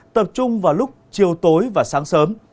tập trung vào lúc chiều tối và sáng sớm